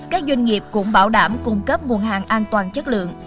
các doanh nghiệp cũng bảo đảm cung cấp nguồn hàng an toàn chất lượng